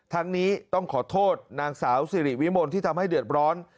ทั้งนี้ต้องขอโทษนางสาวสิริวิมลที่ทำให้เดือดร้อน